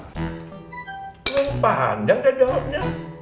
lo pandang ya jawabnya